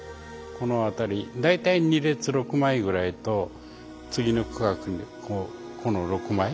この辺りに大体２列６枚ぐらいと次の区画もこの６枚。